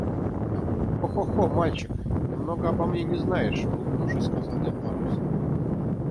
«Хо-хо-хо, мальчик, ты много обо мне не знаешь», — улыбнувшись, сказал Дед Мороз.